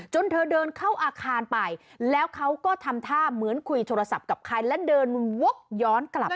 เธอเดินเข้าอาคารไปแล้วเขาก็ทำท่าเหมือนคุยโทรศัพท์กับใครและเดินวกย้อนกลับไป